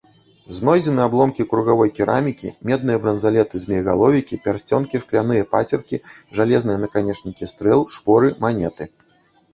Знойдзены абломкі кругавой керамікі, медныя бранзалеты-змеегаловікі, пярсцёнкі, шкляныя пацеркі, жалезныя наканечнікі стрэл, шпоры, манеты.